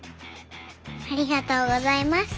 ありがとうございます。